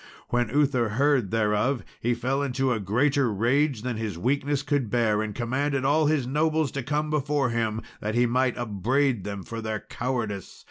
When Uther heard thereof, he fell into a greater rage than his weakness could bear, and commanded all his nobles to come before him, that he might upbraid them for their cowardice.